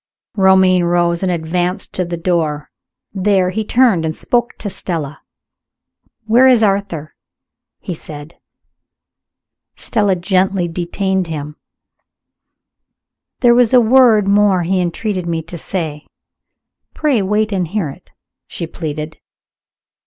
Romayne rose, and advanced to the door. There, he turned, and spoke to Stella. "Where is Arthur?" he said. Stella gently detained him. "There was one word more he entreated me to say pray wait and hear it," she pleaded.